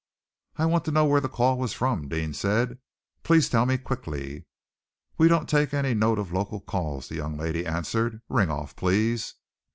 "I want to know where the call was from," Deane said. "Please tell me quickly." "We don't take any note of local calls," the young lady answered. "Ring off, please!"